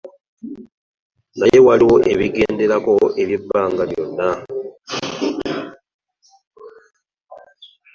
Naye waliyo ebigenderako eby'ebbanga lyonna.